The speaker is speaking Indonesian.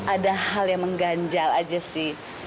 ada hal yang mengganjal aja sih